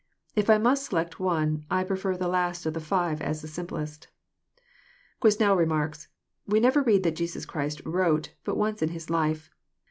If I must select one, I prefer the last of the Ave, as the simplest. Qnesnel remarks :" We never read that Jesus Christ torote but once in His life.